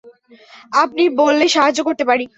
আপনি বললে সাহায্য করতে পারি।